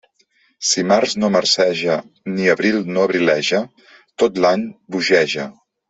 Si març no marceja, ni abril no abrileja, tot l'any bogeja.